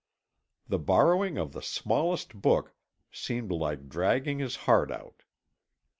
The borrowing of the smallest book seemed like dragging his heart out.